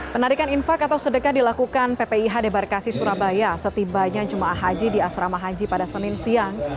penarikan infak atau sedekah dilakukan ppih debarkasi surabaya setibanya jemaah haji di asrama haji pada senin siang